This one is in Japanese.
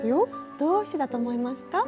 どうしてだと思いますか？